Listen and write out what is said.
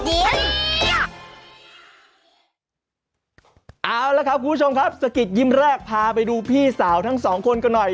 เอาละครับคุณผู้ชมครับสะกิดยิ้มแรกพาไปดูพี่สาวทั้งสองคนกันหน่อย